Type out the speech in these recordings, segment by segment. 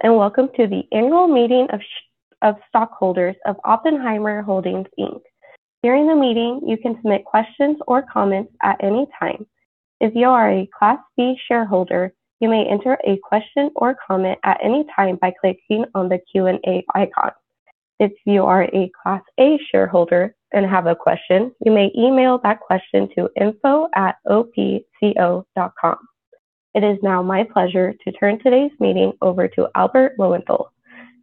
Hello and welcome to the annual meeting of stockholders of Oppenheimer Holdings, Inc. During the meeting, you can submit questions or comments at any time. If you are a Class B shareholder, you may enter a question or comment at any time by clicking on the Q&A icon. If you are a Class A shareholder and have a question, you may email that question to info@opco.com. It is now my pleasure to turn today's meeting over to Albert Lowenthal,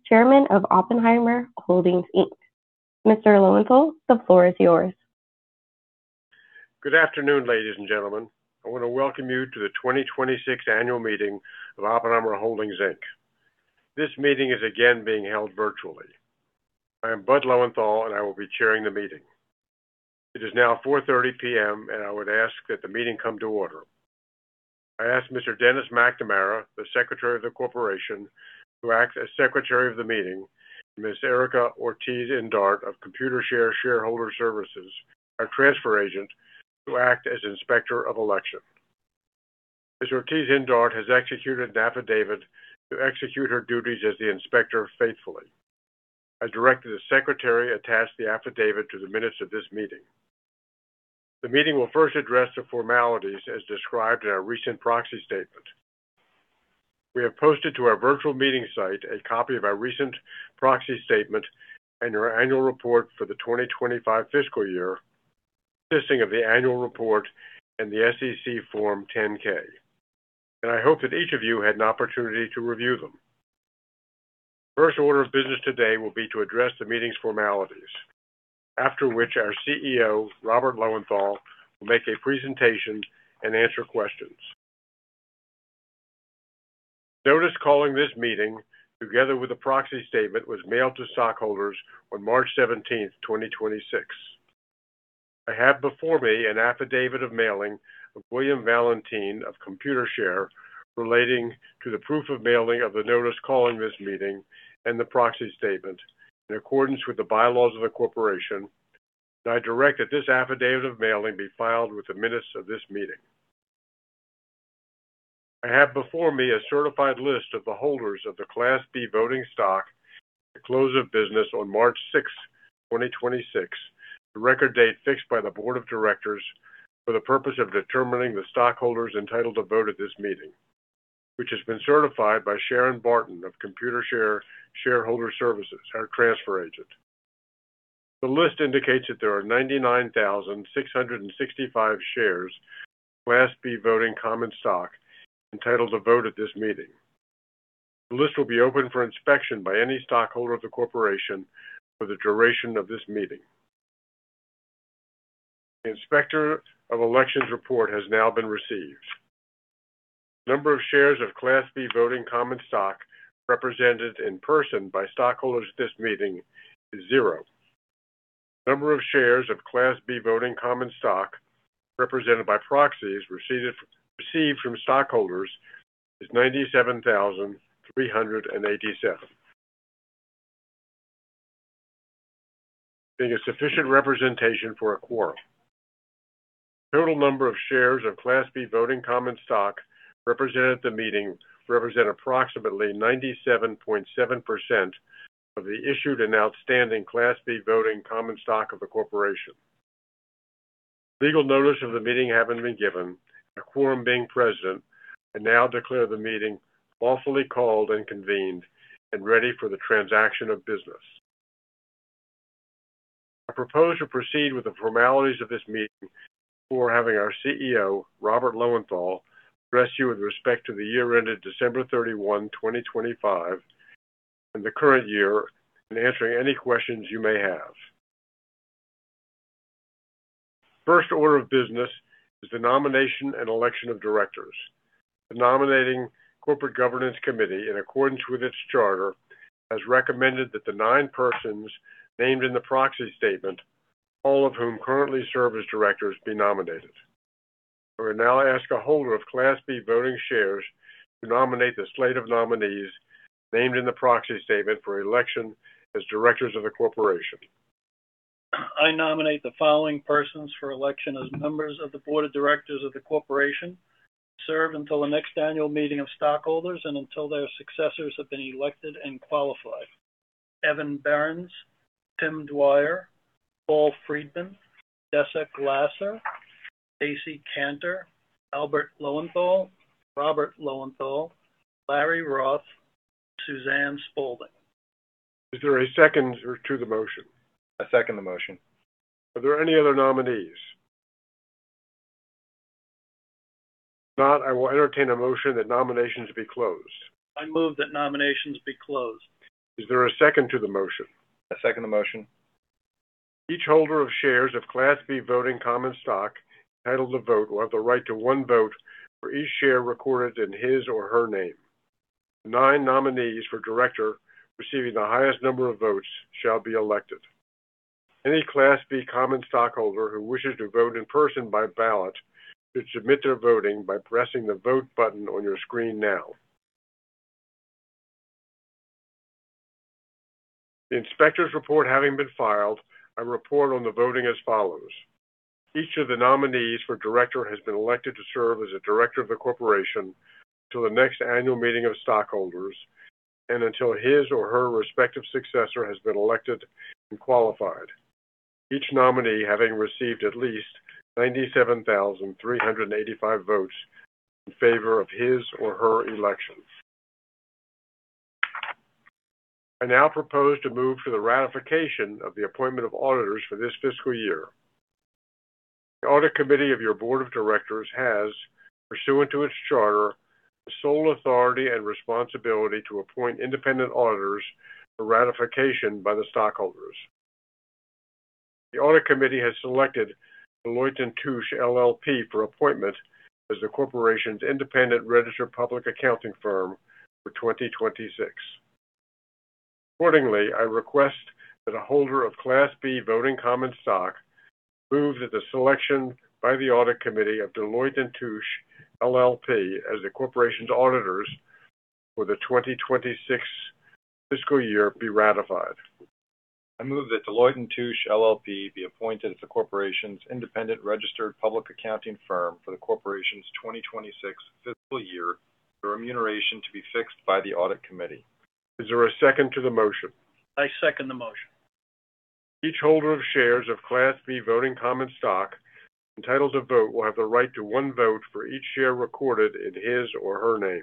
Chairman of Oppenheimer Holdings, Inc. Mr. Lowenthal, the floor is yours. Good afternoon, ladies and gentlemen. I want to welcome you to the 2026 annual meeting of Oppenheimer Holdings, Inc. This meeting is again being held virtually. I am Albert G. Lowenthal, and I will be chairing the meeting. It is now 4:30 P.M., and I would ask that the meeting come to order. I ask Mr. Dennis McNamara, the Secretary of the Corporation, to act as Secretary of the meeting, and Ms. Ericka Ortiz-Indart of Computershare Shareholder Services, our transfer agent, to act as Inspector of Election. Ms. Ortiz-Indart has executed an affidavit to execute her duties as the inspector faithfully. I direct that the Secretary attach the affidavit to the minutes of this meeting. The meeting will first address the formalities as described in our recent proxy statement. We have posted to our virtual meeting site a copy of our recent proxy statement and our annual report for the 2025 fiscal year, consisting of the annual report and the SEC Form 10-K. I hope that each of you had an opportunity to review them. First order of business today will be to address the meeting's formalities, after which our CEO, Robert Lowenthal, will make a presentation and answer questions. Notice calling this meeting, together with a proxy statement, was mailed to stockholders on March 17th, 2026. I have before me an affidavit of mailing of William Valentine of Computershare relating to the proof of mailing of the notice calling this meeting and the proxy statement in accordance with the bylaws of the corporation, and I direct that this affidavit of mailing be filed with the minutes of this meeting. I have before me a certified list of the holders of the Class B voting stock at the close of business on March 6, 2026, the record date fixed by the board of directors for the purpose of determining the stockholders entitled to vote at this meeting, which has been certified by Sharon Barton of Computershare Shareholder Services, our transfer agent. The list indicates that there are 99,665 shares of Class B voting common stock entitled to vote at this meeting. The list will be open for inspection by any stockholder of the corporation for the duration of this meeting. The Inspector of Elections report has now been received. Number of shares of Class B voting common stock represented in person by stockholders at this meeting is zero. Number of shares of Class B voting common stock represented by proxies received from stockholders is 97,387, being a sufficient representation for a quorum. Total number of shares of Class B voting common stock represented at the meeting represent approximately 97.7% of the issued and outstanding Class B voting common stock of the corporation. Legal notice of the meeting having been given, the quorum being present, I now declare the meeting lawfully called and convened and ready for the transaction of business. I propose to proceed with the formalities of this meeting before having our CEO, Robert Lowenthal, address you with respect to the year ended December 31, 2025, and the current year, and answering any questions you may have. First order of business is the nomination and election of directors. The Nominating and Corporate Governance Committee, in accordance with its charter, has recommended that the nine persons named in the proxy statement, all of whom currently serve as directors, be nominated. I would now ask a holder of Class B voting shares to nominate the slate of nominees named in the proxy statement for election as directors of the corporation. I nominate the following persons for election as members of the board of directors of the corporation to serve until the next annual meeting of stockholders and until their successors have been elected and qualified. Evan Behrens, Tim Dwyer, Paul Friedman, Jessica Glasser, Stacy Kantor, Albert Lowenthal, Robert Lowenthal, Larry Roth, Suzanne Spalding. Is there a second or to the motion? I second the motion. Are there any other nominees? If not, I will entertain a motion that nominations be closed. I move that nominations be closed. Is there a second to the motion? I second the motion. Each holder of shares of Class B voting common stock entitled to vote will have the right to one vote for each share recorded in his or her name. The nine nominees for director receiving the highest number of votes shall be elected. Any Class B common stockholder who wishes to vote in person by ballot should submit their voting by pressing the vote button on your screen now. The inspector's report having been filed, I report on the voting as follows. Each of the nominees for director has been elected to serve as a director of the corporation till the next annual meeting of stockholders and until his or her respective successor has been elected and qualified. Each nominee having received at least 97,385 votes in favor of his or her election. I now propose to move to the ratification of the appointment of auditors for this fiscal year. The audit committee of your board of directors has, pursuant to its charter, the sole authority and responsibility to appoint independent auditors for ratification by the stockholders. The audit committee has selected Deloitte & Touche LLP for appointment as the corporation's independent registered public accounting firm for 2026. Accordingly, I request that a holder of Class B voting common stock move that the selection by the audit committee of Deloitte & Touche LLP as the corporation's auditors for the 2026 fiscal year be ratified. I move that Deloitte & Touche LLP be appointed as the corporation's independent registered public accounting firm for the corporation's 2026 fiscal year, their remuneration to be fixed by the audit committee. Is there a second to the motion? I second the motion. Each holder of shares of Class B voting common stock entitled to vote will have the right to one vote for each share recorded in his or her name.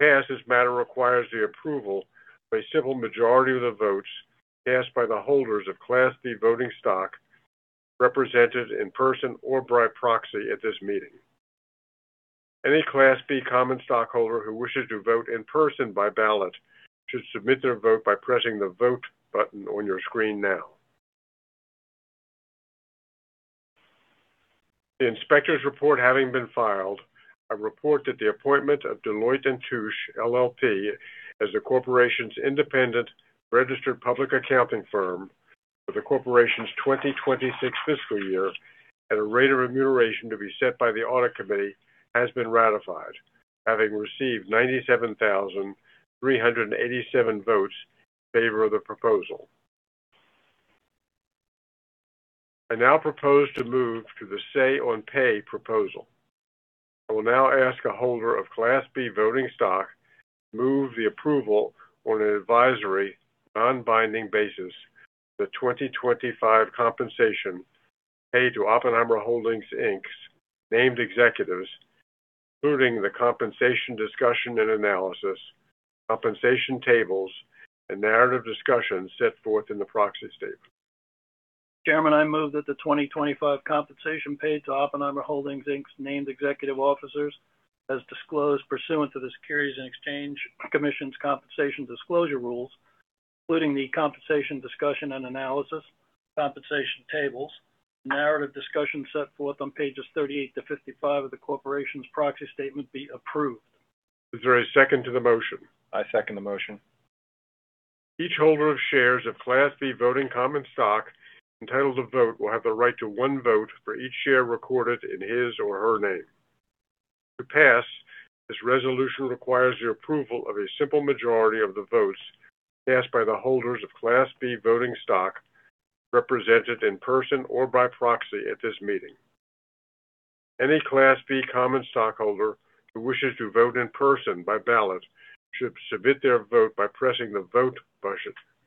To pass, this matter requires the approval by a simple majority of the votes cast by the holders of Class B voting stock, represented in person or by proxy at this meeting. Any Class B common stockholder who wishes to vote in person by ballot should submit their vote by pressing the vote button on your screen now. The inspector's report having been filed, I report that the appointment of Deloitte & Touche LLP as the corporation's independent registered public accounting firm for the corporation's 2026 fiscal year at a rate of remuneration to be set by the audit committee, has been ratified, having received 97,387 votes in favor of the proposal. I now propose to move to the Say-on-Pay proposal. I will now ask a holder of Class B voting stock to move the approval on an advisory, non-binding basis, the 2025 compensation paid to Oppenheimer Holdings Inc.'s named executives, including the compensation discussion and analysis, compensation tables, and narrative discussions set forth in the proxy statement. Chairman, I move that the 2025 compensation paid to Oppenheimer Holdings Inc.'s named executive officers, as disclosed pursuant to the Securities and Exchange Commission's compensation disclosure rules, including the compensation discussion and analysis, compensation tables, narrative discussion set forth on pages 38-55 of the corporation's proxy statement be approved. Is there a second to the motion? I second the motion. Each holder of shares of Class B voting common stock entitled to vote will have the right to one vote for each share recorded in his or her name. To pass, this resolution requires the approval of a simple majority of the votes cast by the holders of Class B voting stock, represented in person or by proxy at this meeting. Any Class B common stockholder who wishes to vote in person by ballot should submit their vote by pressing the vote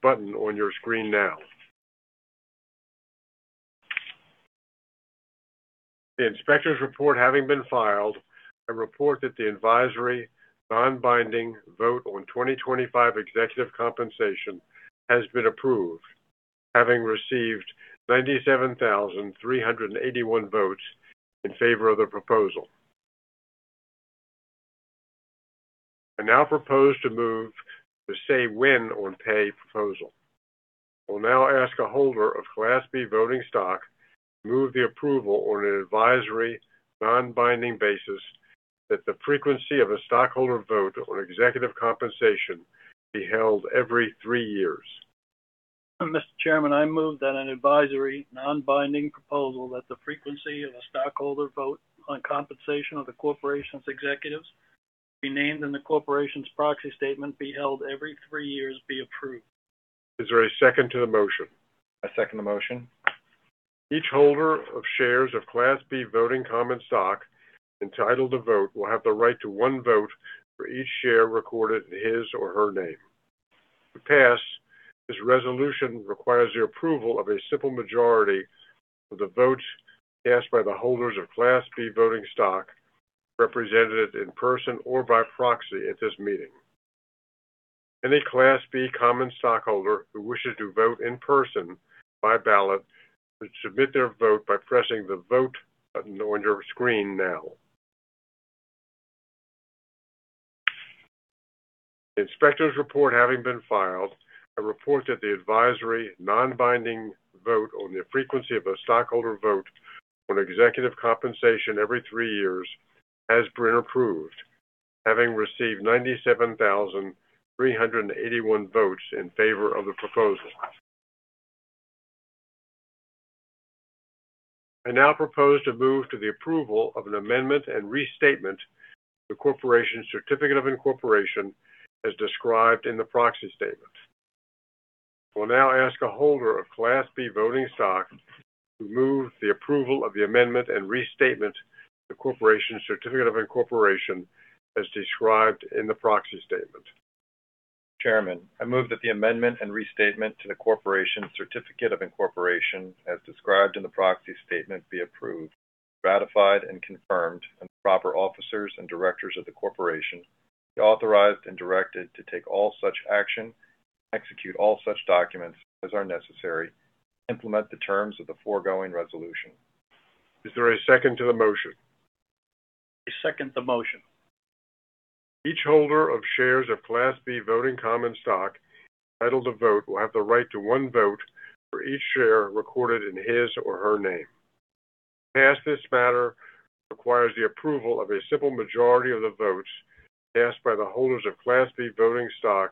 button on your screen now. The inspector's report having been filed, I report that the advisory non-binding vote on 2025 executive compensation has been approved, having received 97,381 votes in favor of the proposal. I now propose to move the Say When on Pay proposal. I will now ask a holder of Class B voting stock to move the approval on an advisory, non-binding basis that the frequency of a stockholder vote on executive compensation be held every three years. Mr. Chairman, I move that an advisory non-binding proposal that the frequency of a stockholder vote on compensation of the corporation's executives be named in the corporation's proxy statement be held every three years, be approved. Is there a second to the motion? I second the motion. Each holder of shares of Class B voting common stock entitled to vote will have the right to one vote for each share recorded in his or her name. To pass, this resolution requires the approval of a simple majority of the votes cast by the holders of Class B voting stock represented in person or by proxy at this meeting. Any Class B common stockholder who wishes to vote in person by ballot should submit their vote by pressing the vote button on your screen now. The inspector's report having been filed, I report that the advisory non-binding vote on the frequency of a stockholder vote on executive compensation every three years has been approved, having received 97,381 votes in favor of the proposal. I now propose to move to the approval of an amendment and restatement to the corporation's certificate of incorporation, as described in the proxy statement. We'll now ask a holder of Class B voting stock to move the approval of the amendment and restatement to the corporation's certificate of incorporation, as described in the proxy statement. Chairman, I move that the amendment and restatement to the corporation's certificate of incorporation, as described in the proxy statement, be approved, ratified, and confirmed, and the proper officers and directors of the corporation be authorized and directed to take all such action and execute all such documents as are necessary to implement the terms of the foregoing resolution. Is there a second to the motion? I second the motion. Each holder of shares of Class B voting common stock entitled to vote will have the right to one vote for each share recorded in his or her name. To pass this matter requires the approval of a simple majority of the votes cast by the holders of Class B voting stock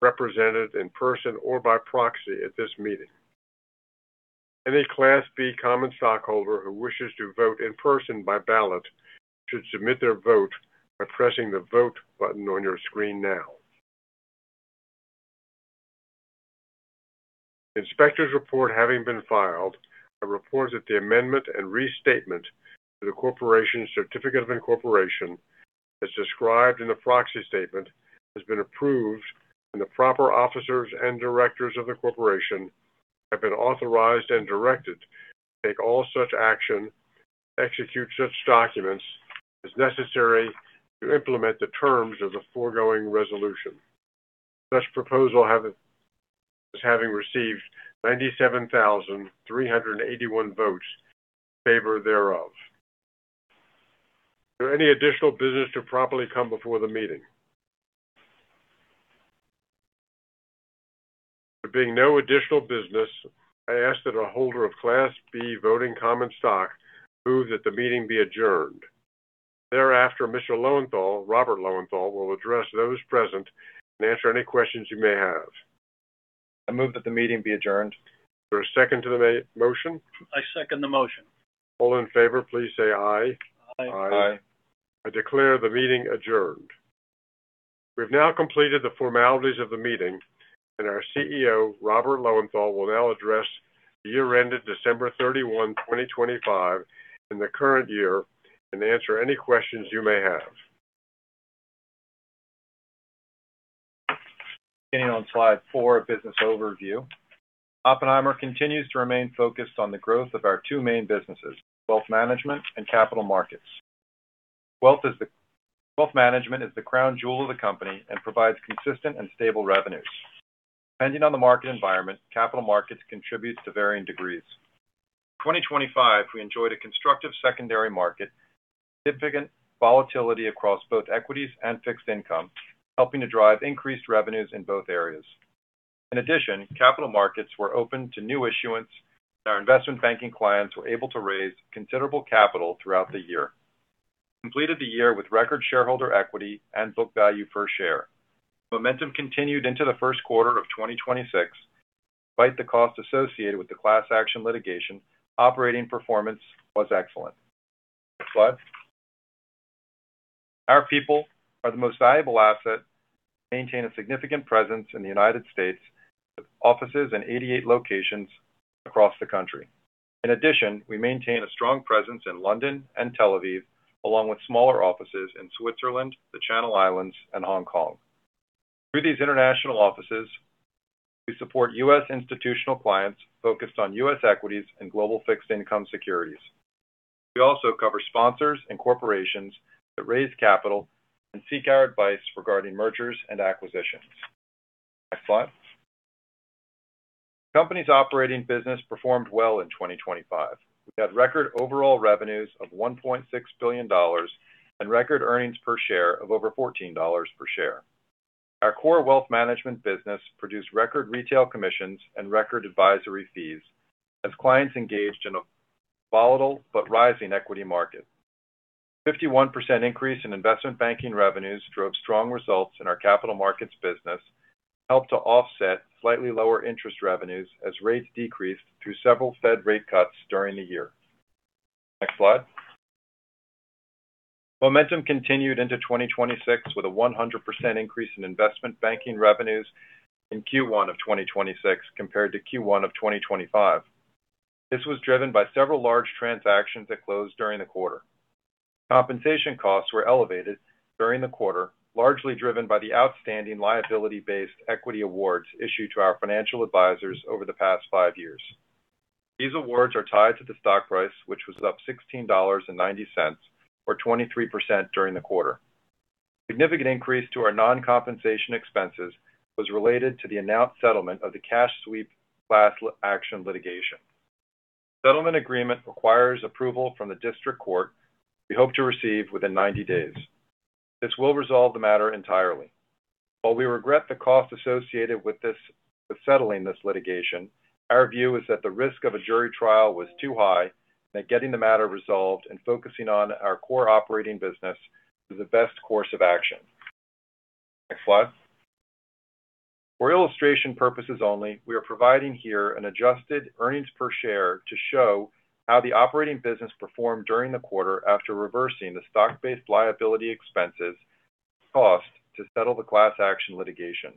represented in person or by proxy at this meeting. Any Class B common stockholder who wishes to vote in person by ballot should submit their vote by pressing the Vote button on your screen now. Inspector's report having been filed, I report that the amendment and restatement to the corporation's certificate of incorporation, as described in the proxy statement, has been approved, and the proper officers and directors of the corporation have been authorized and directed to take all such action and execute such documents as necessary to implement the terms of the foregoing resolution. Such proposal is having received 97,381 votes in favor thereof. Is there any additional business to properly come before the meeting? There being no additional business, I ask that a holder of Class B voting common stock move that the meeting be adjourned. Thereafter, Mr. Lowenthal, Robert Lowenthal, will address those present and answer any questions you may have. I move that the meeting be adjourned. Is there a second to the motion? I second the motion. All in favor, please say aye. Aye. Aye. I declare the meeting adjourned. We've now completed the formalities of the meeting, and our CEO, Robert Lowenthal, will now address the year ended December 31, 2025, and the current year, and answer any questions you may have. Beginning on slide four, business overview. Oppenheimer continues to remain focused on the growth of our two main businesses, wealth management and capital markets. Wealth management is the crown jewel of the company and provides consistent and stable revenues. Depending on the market environment, capital markets contributes to varying degrees. In 2025, we enjoyed a constructive secondary market and significant volatility across both equities and fixed income, helping to drive increased revenues in both areas. In addition, capital markets were open to new issuance, and our investment banking clients were able to raise considerable capital throughout the year. We completed the year with record shareholder equity and book value per share. Momentum continued into the first quarter of 2026. Despite the cost associated with the class action litigation, operating performance was excellent. Next slide. Our people are the most valuable asset. We maintain a significant presence in the U.S., with offices in 88 locations across the country. We maintain a strong presence in London and Tel Aviv, along with smaller offices in Switzerland, the Channel Islands, and Hong Kong. Through these international offices, we support U.S. institutional clients focused on U.S. equities and global fixed income securities. We also cover sponsors and corporations that raise capital and seek our advice regarding mergers and acquisitions. Next slide. The company's operating business performed well in 2025. We had record overall revenues of $1.6 billion and record earnings per share of over $14 per share. Our core wealth management business produced record retail commissions and record advisory fees as clients engaged in a volatile but rising equity market. 51% increase in investment banking revenues drove strong results in our capital markets business and helped to offset slightly lower interest revenues as rates decreased through several Fed rate cuts during the year. Next slide. Momentum continued into 2026 with a 100% increase in investment banking revenues in Q1 of 2026 compared to Q1 of 2025. This was driven by several large transactions that closed during the quarter. Compensation costs were elevated during the quarter, largely driven by the outstanding liability-based equity awards issued to our financial advisors over the past five years. These awards are tied to the stock price, which was up $16.90, or 23%, during the quarter. Significant increase to our non-compensation expenses was related to the announced settlement of the cash sweep class action litigation. The settlement agreement requires approval from the district court we hope to receive within 90 days. This will resolve the matter entirely. While we regret the cost associated with settling this litigation, our view is that the risk of a jury trial was too high, and that getting the matter resolved and focusing on our core operating business was the best course of action. Next slide. For illustration purposes only, we are providing here an adjusted earnings per share to show how the operating business performed during the quarter after reversing the stock-based liability expenses cost to settle the class action litigation.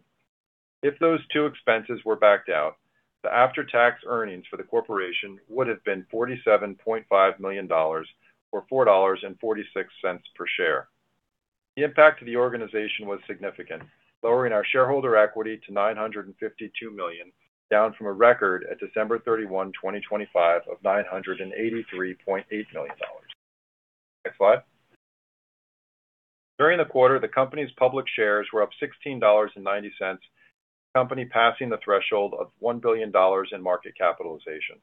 If those two expenses were backed out, the after-tax earnings for the corporation would have been $47.5 million or $4.46 per share. The impact to the organization was significant, lowering our shareholder equity to $952 million, down from a record at December 31, 2025 of $983.8 million. Next slide. During the quarter, the company's public shares were up $16.90, the company passing the threshold of $1 billion in market capitalization.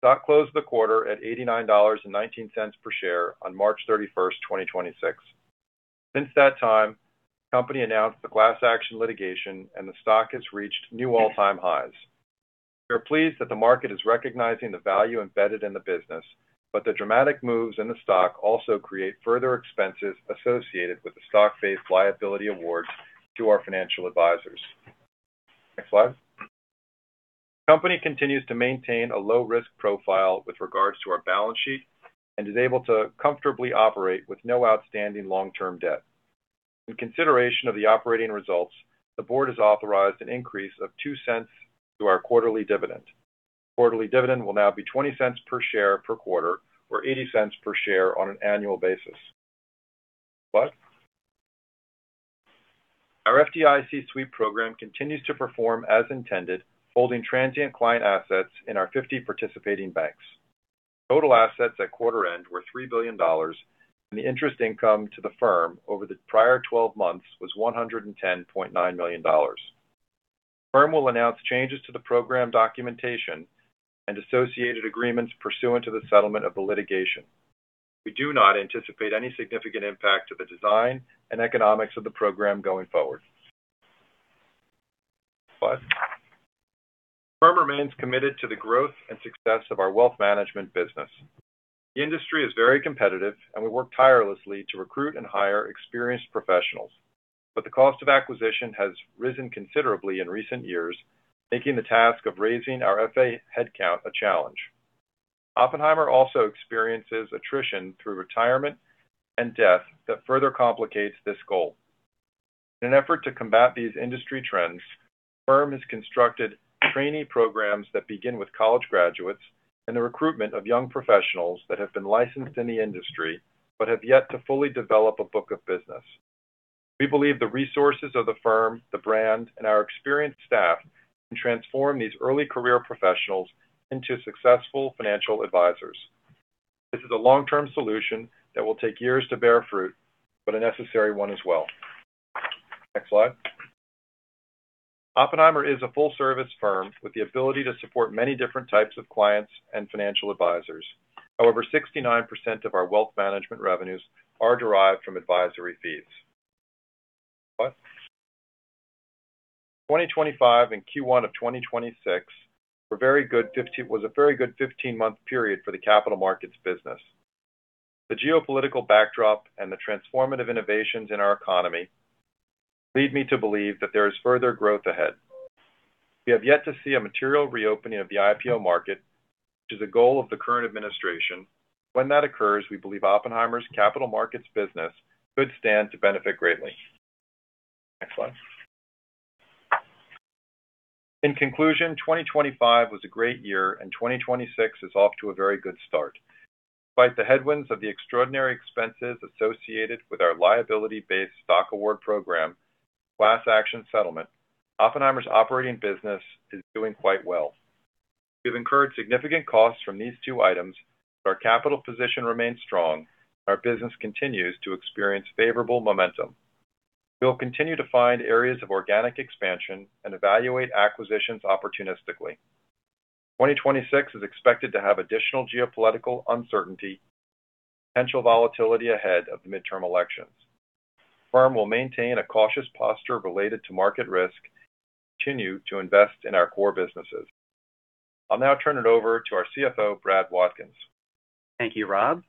Stock closed the quarter at $89.19 per share on March 31, 2026. Since that time, the company announced the class action litigation and the stock has reached new all-time highs. We are pleased that the market is recognizing the value embedded in the business, but the dramatic moves in the stock also create further expenses associated with the stock-based liability awards to our financial advisors. Next slide. The company continues to maintain a low-risk profile with regards to our balance sheet and is able to comfortably operate with no outstanding long-term debt. In consideration of the operating results, the board has authorized an increase of $0.02 to our quarterly dividend. Quarterly dividend will now be $0.20 per share per quarter or $0.80 per share on an annual basis. Next slide. Our FDIC sweep program continues to perform as intended, holding transient client assets in our 50 participating banks. Total assets at quarter end were $3 billion, and the interest income to the firm over the prior 12 months was $110.9 million. The firm will announce changes to the program documentation and associated agreements pursuant to the settlement of the litigation. We do not anticipate any significant impact to the design and economics of the program going forward. Next slide. The firm remains committed to the growth and success of our wealth management business. The industry is very competitive and we work tirelessly to recruit and hire experienced professionals, but the cost of acquisition has risen considerably in recent years, making the task of raising our FA headcount a challenge. Oppenheimer also experiences attrition through retirement and death that further complicates this goal. In an effort to combat these industry trends, the firm has constructed trainee programs that begin with college graduates and the recruitment of young professionals that have been licensed in the industry, but have yet to fully develop a book of business. We believe the resources of the firm, the brand, and our experienced staff can transform these early career professionals into successful financial advisors. This is a long-term solution that will take years to bear fruit, but a necessary one as well. Next slide. Oppenheimer is a full-service firm with the ability to support many different types of clients and financial advisors. However, 69% of our wealth management revenues are derived from advisory fees. Next slide. 2025 and Q1 of 2026 was a very good 15-month period for the capital markets business. The geopolitical backdrop and the transformative innovations in our economy lead me to believe that there is further growth ahead. We have yet to see a material reopening of the IPO market, which is a goal of the current administration. When that occurs, we believe Oppenheimer's capital markets business could stand to benefit greatly. Next slide. In conclusion, 2025 was a great year, and 2026 is off to a very good start. Despite the headwinds of the extraordinary expenses associated with our liability-based stock award program class action settlement, Oppenheimer's operating business is doing quite well. We've incurred significant costs from these two items, but our capital position remains strong, and our business continues to experience favorable momentum. We'll continue to find areas of organic expansion and evaluate acquisitions opportunistically. 2026 is expected to have additional geopolitical uncertainty, potential volatility ahead of the midterm elections. The firm will maintain a cautious posture related to market risk and continue to invest in our core businesses. I'll now turn it over to our CFO, Brad Watkins. Thank you, Robert Lowenthal.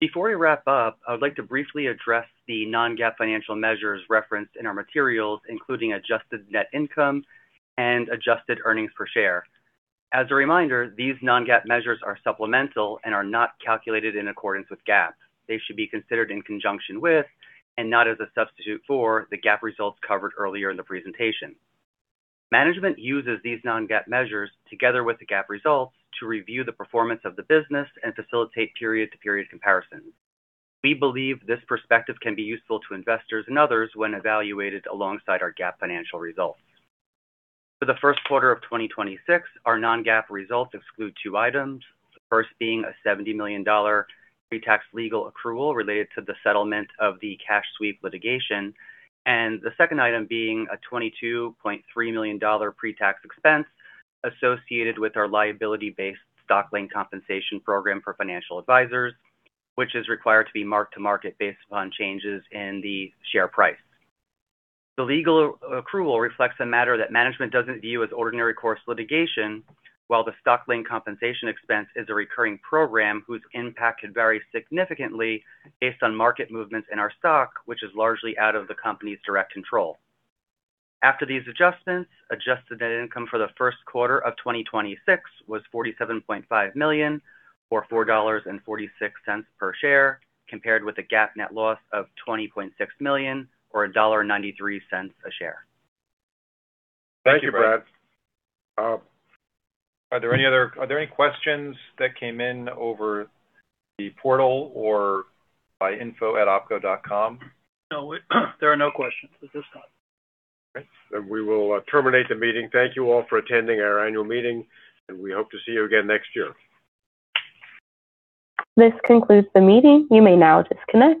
Before we wrap up, I would like to briefly address the non-GAAP financial measures referenced in our materials, including adjusted net income and adjusted earnings per share. As a reminder, these non-GAAP measures are supplemental and are not calculated in accordance with GAAP. They should be considered in conjunction with and not as a substitute for the GAAP results covered earlier in the presentation. Management uses these non-GAAP measures together with the GAAP results to review the performance of the business and facilitate period-to-period comparisons. We believe this perspective can be useful to investors and others when evaluated alongside our GAAP financial results. For the first quarter of 2026, our non-GAAP results exclude two items. The first being a $70 million pre-tax legal accrual related to the settlement of the cash sweep litigation. The second item being a $22.3 million pre-tax expense associated with our liability-based stock link compensation program for financial advisors, which is required to be marked to market based upon changes in the share price. The legal accrual reflects a matter that management doesn't view as ordinary course litigation, while the stock link compensation expense is a recurring program whose impact could vary significantly based on market movements in our stock, which is largely out of the company's direct control. After these adjustments, adjusted net income for the first quarter of 2026 was $47.5 million or $4.46 per share, compared with a GAAP net loss of $20.6 million or $1.93 a share. Thank you, Brad. Are there any questions that came in over the portal or by info@opco.com? No, there are no questions at this time. Okay. We will terminate the meeting. Thank you all for attending our annual meeting, and we hope to see you again next year. This concludes the meeting. You may now disconnect.